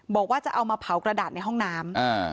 บอกว่าจะเอามาเผากระดาษในห้องน้ำ